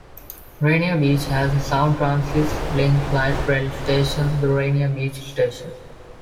Rainier Beach has a Sound Transit Link Light Rail station, the Rainier Beach Station.